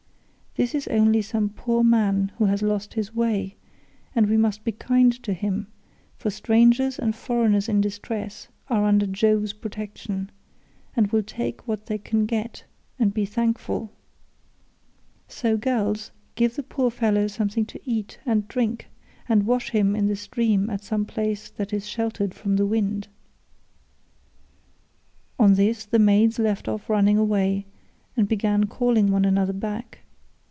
This is only some poor man who has lost his way, and we must be kind to him, for strangers and foreigners in distress are under Jove's protection, and will take what they can get and be thankful; so, girls, give the poor fellow something to eat and drink, and wash him in the stream at some place that is sheltered from the wind." On this the maids left off running away and began calling one another back.